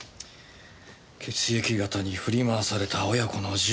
「血液型に振り回された親子の十五年」か。